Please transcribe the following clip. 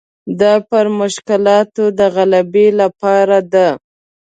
دا پر مشکلاتو د غلبې لپاره ده.